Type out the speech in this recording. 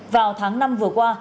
vào tháng năm vừa qua